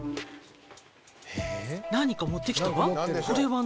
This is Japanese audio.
「何か持ってきたわ」